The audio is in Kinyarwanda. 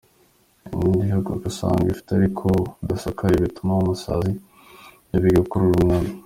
Indi yo ugasanga ibufite ariko budasakaye, butumaho amasazi; ibyo bigakurura umwanda.